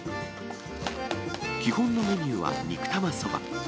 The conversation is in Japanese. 基本のメニューは肉玉そば。